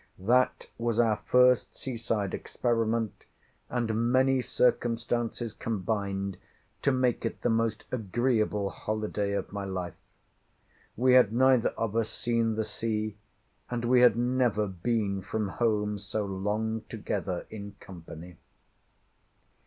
That was our first sea side experiment, and many circumstances combined to make it the most agreeable holyday of my life. We had neither of us seen the sea, and we had never been from home so long together in company.